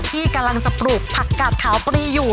ที่กำลังจะปลูกผักกาดขาวปรีอยู่